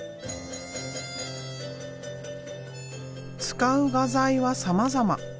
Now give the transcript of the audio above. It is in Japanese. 使う画材はさまざま。